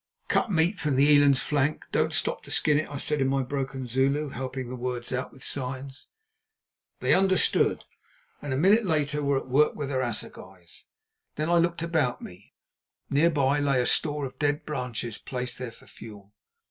"Cut meat from the eland's flank; don't stop to skin it," I said in my broken Zulu, helping the words out with signs. They understood, and a minute later were at work with their assegais. Then I looked about me. Near by lay a store of dead branches placed there for fuel.